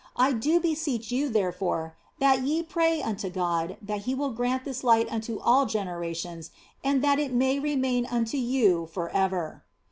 I do be seech you, therefore, that ye pray unto God that He will grant this light unto all generations and that it may remain unto you for ever.